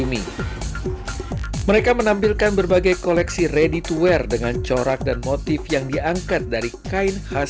ini mereka menampilkan berbagai koleksi ready to wear dengan corak dan motif yang diangkat dari kain khas